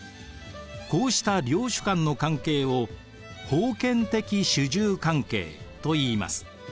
こうした領主間の関係を封建的主従関係といいます。